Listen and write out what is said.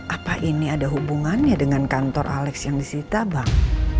apa ini ada hubungannya dengan kantor alex yang disita bang